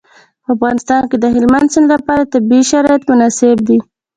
په افغانستان کې د هلمند سیند لپاره طبیعي شرایط مناسب دي.